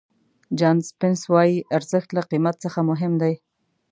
جان سپینس وایي ارزښت له قیمت څخه مهم دی.